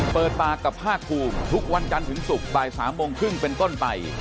เปิดปากกับภาคภูมิทุกวันจันทร์ถึงศุกร์บ่าย๓โมงครึ่งเป็นต้นไป